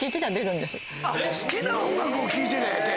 好きな音楽を聴いてりゃやって。